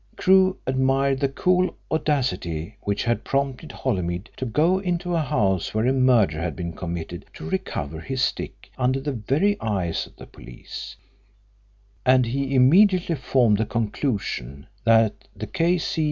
Crewe admired the cool audacity which had prompted Holymead to go into a house where a murder had been committed to recover his stick under the very eyes of the police, and he immediately formed the conclusion that the K.C.